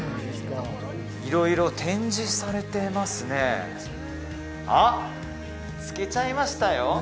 色々展示されてますねあっ見つけちゃいましたよ！